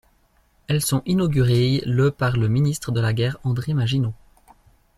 Elles sont inaugurées le par le ministre de la Guerre André Maginot.